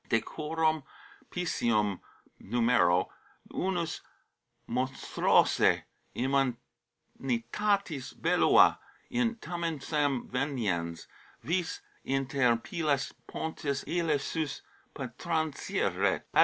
De quorum piscium (numero) unus, monstrosae immanitatis belua, in Tamensem veniens, vix inter pilas pontis illaesus pertransierit.